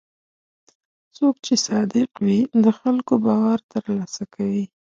څوک چې صادق وي، د خلکو باور ترلاسه کوي.